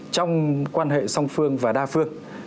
trong quan hệ song phương và đa phương